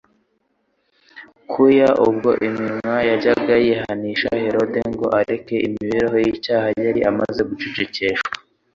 Kuya ubwo iminwa yajyaga yihanisha Herode ngo areke imibereho ye y'icyaha yari imaze gucecekeshwa.